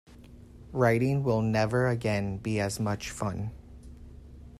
Writing will never again be as much fun.